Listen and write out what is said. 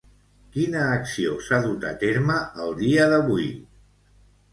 Quina acció s'ha dut a terme, el dia d'avui?